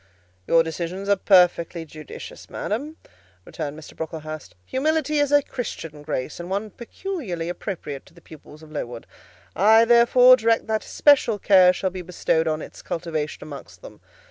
"Your decisions are perfectly judicious, madam," returned Mr. Brocklehurst. "Humility is a Christian grace, and one peculiarly appropriate to the pupils of Lowood; I, therefore, direct that especial care shall be bestowed on its cultivation amongst them.